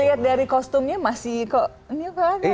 dilihat dari kostumnya masih kok ini apaan ya ketat ya